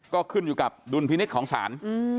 ก็ขึ้นอยู่กับดุลพินิษฐ์ของศาล